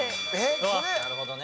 なるほどね。